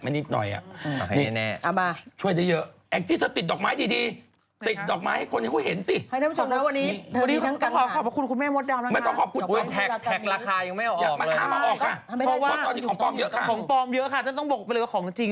เพราะว่าของปลอมเหลือต้องบอกแบบสังปันของจริง